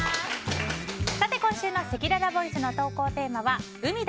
今週のせきららボイスの投稿テーマは海だ！